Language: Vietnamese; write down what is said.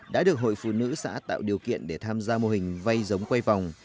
đã được hội phụ nữ xã tạo điều kiện để tham gia mô hình vay giống quay vòng